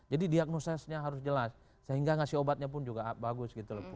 jadi diagnosesnya harus jelas sehingga ngasih obatnya pun juga bagus